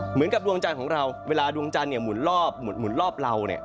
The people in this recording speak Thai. เหมือนกับดวงจันทร์ของเราเวลาดวงจันทร์หมุนรอบเราเนี่ย